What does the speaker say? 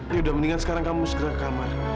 yaudah mendingan sekarang kamu musterah ke kamar